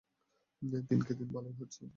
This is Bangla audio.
দিনকে দিন ভালোই হচ্ছে।